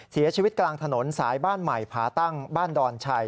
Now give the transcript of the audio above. เสียชีวิตกลางถนนสายบ้านใหม่ผาตั้งบ้านดอนชัย